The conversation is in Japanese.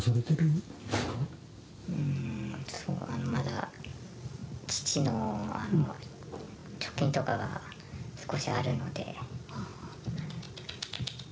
まだ父の貯金とかが少しあるので。